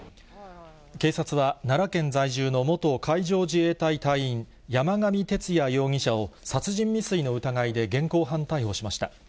警察は、奈良県在住の元海上自衛隊隊員、山上徹也容疑者を殺人未遂の疑いで現行犯逮捕しました。